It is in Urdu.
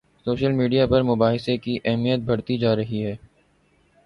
سوشل میڈیا پر مباحثے کی اہمیت بڑھتی جا رہی ہے۔